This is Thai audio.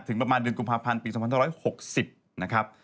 ประมาณเดือนกุมภาพันธ์ปี๒๕๖๐นะครับ